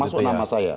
termasuk nama saya